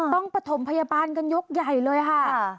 ต้องประถมพยาบาลกันยกใหญ่เลยค่ะ